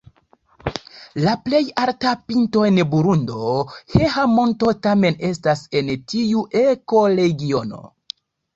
La plej alta pinto en Burundo, Heha-Monto tamen estas en tiu ekoregiono.